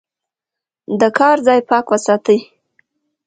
د کار ځای پاک وساتئ.